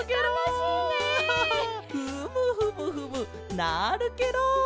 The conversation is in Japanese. フムフムフムなるケロ！